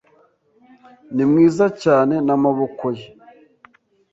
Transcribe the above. ni mwiza cyane n'amaboko ye.